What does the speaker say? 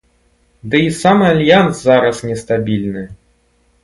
Дый і сам альянс зараз не стабільны.